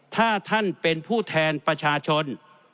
ถ้าท่านเป็นผู้แทนประชาชน